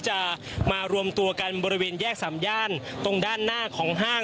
จะมารวมตัวกันบริเวณแยกสามย่านตรงด้านหน้าของห้าง